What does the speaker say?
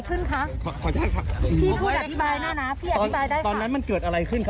เอ่อเกลียดใจครับแต่ว่าไม่ทำแล้วค่ะ